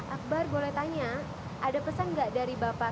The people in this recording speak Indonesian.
akbar boleh tanya ada pesan nggak dari bapak